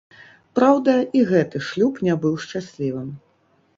Праўда, і гэты шлюб не быў шчаслівым.